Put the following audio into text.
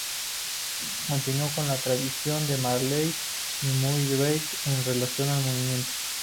Continuó con la tradición de Marey y Muybridge en relación al movimiento.